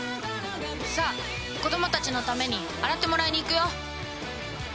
さあ子どもたちのために洗ってもらいに行くよ！